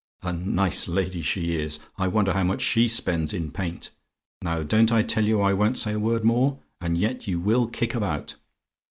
A nice lady she is! I wonder how much she spends in paint! Now, don't I tell you I won't say a word more, and yet you will kick about!